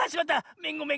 めんごめんご。